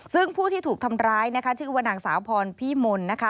ซึ่งผู้ที่ถูกทำร้ายนะคะชื่อว่านางสาวพรพี่มนต์นะคะ